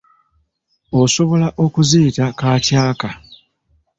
Osobola okuziyita kaacaaka.